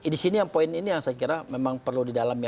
di sini yang poin ini yang saya kira memang perlu di dalam ya